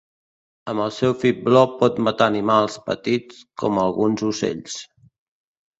Amb el seu fibló pot matar animals petits com alguns ocells.